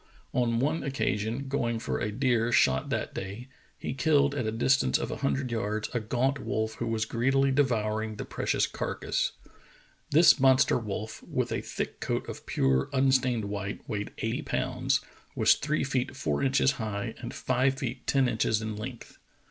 On one occasion, going for a deer shot that day, he killed at a distance of a hundred yards a gaunt wolf who was greedily devouring the precious carcass. This monster wolf, with a thick coat of pure, unstained white, weighed eighty pounds, was three feet four inches high and five feet ten inches in length.